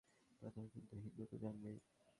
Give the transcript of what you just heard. প্রাথমিক কিছু হিন্দি তো জানবেই।